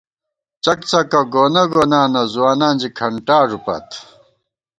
څک څکہ گونہ گونانہ ځوانان ژی کھنٹا ݫُپات